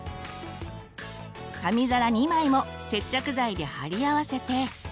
紙皿２枚も接着剤で貼り合わせて。